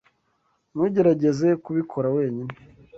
Ntugerageze kubikora wenyine.